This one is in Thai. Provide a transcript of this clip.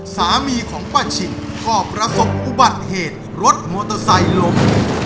สามีของป้าชินก็ประสบอุบัติเหตุรถมอเตอร์ไซค์ล้ม